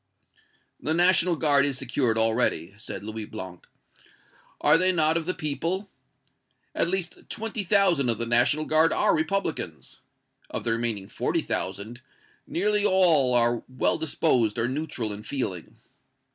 "The National Guard is secured already," said Louis Blanc. "Are they not of the people? At least twenty thousand of the National Guard are Republicans. Of the remaining forty thousand, nearly all are well disposed or neutral in feeling.